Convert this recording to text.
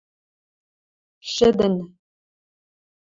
Шӹдӹн.